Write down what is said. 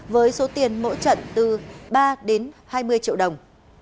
với số tiền mỗi trận từ ba đến hai mươi triệu đồng